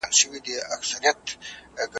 دا یو خم را نذرانه که هر سبا